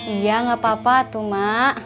iya nggak apa apa tuh mak